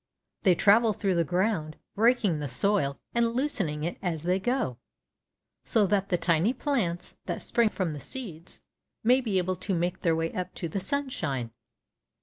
They travel through the ground, breaking the soil and loosening it as they go, so that the tiny plants, that spring from the seeds, may be able to make their way up to the sunshine."